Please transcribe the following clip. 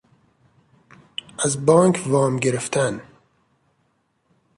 از بانک وام گرفتن